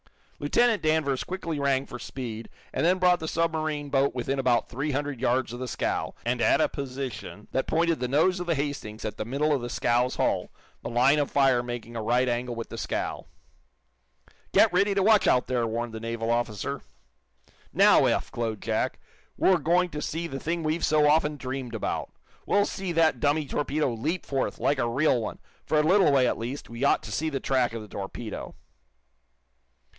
Lieutenant Danvers quickly rang for speed and then brought the submarine boat within about three hundred yards of the scow, and at a position that pointed the nose of the "Hastings" at the middle of the scow's hull, the line of fire making a right angle with the scow. "Get ready to watch, out there!" warned the naval officer. "Now, Eph," glowed Jack, "we're going to see the thing we've so often dreamed about! We'll see that dummy torpedo leap forth, like a real one. For a little way, at least, we ought to see the track of the torpedo."